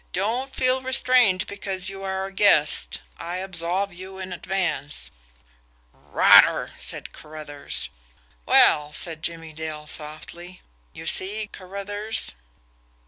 "Don't feel restrained because you are a guest I absolve you in advance." "Rotter!" said Carruthers. "Well," said Jimmie Dale softly. "You see Carruthers?"